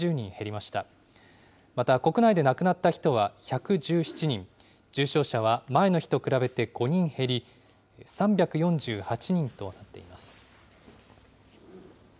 また国内で亡くなった人は１１７人、重症者は前の日と比べて５人減り、３４８人となっています。